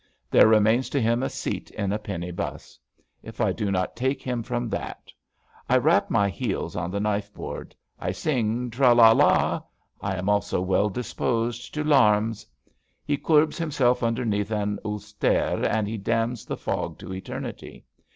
There remains to him a seat in a penny 'bus. If I do not take him from that. I rap my heels on the knife board. I sing tra la la/' I am also well disposed to larmes. €0 ABAFT THE FUNNEL He courbes himself underneath an nlstaire and he damns the fog to eternity.